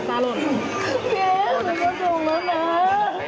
กลับมาถึงใส่